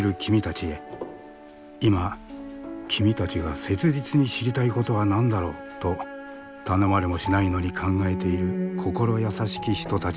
「今君たちが切実に知りたいことは何だろう？」と頼まれもしないのに考えている心優しき人たちがいる。